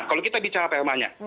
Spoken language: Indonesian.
kalau kita bicara permanya